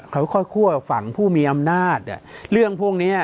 เขาค่อยคั่วฝั่งผู้มีอำนาจเรื่องพวกนี้